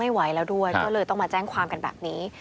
ไม่ไหวแล้วด้วยก็เลยต้องมาแจ้งความกันแบบนี้